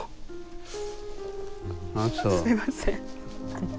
すいません。